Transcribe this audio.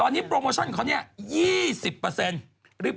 ตอนนี้โปรโมชั่นของเขาเนี่ย๒๐